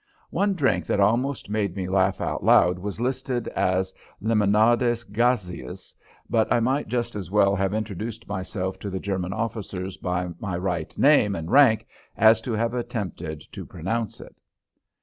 One drink that almost made me laugh out loud was listed as "Lemonades Gazeuses," but I might just as well have introduced myself to the German officers by my right name and rank as to have attempted to pronounce it.